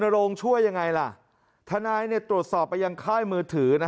ท่านายลนโลงช่วยยังไงล่ะท่านายตรวจสอบไปยังค่ายมือถือ